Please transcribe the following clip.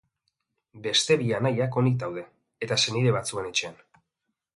Beste bi anaiak, onik daude, beste senide batzuen etxean.